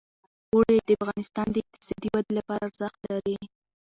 اوړي د افغانستان د اقتصادي ودې لپاره ارزښت لري.